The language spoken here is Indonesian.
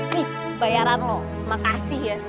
nih bayaran loh makasih ya